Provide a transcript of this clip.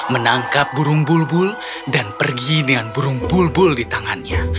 menangkap burung bulbul dan pergi dengan burung bulbul di tangannya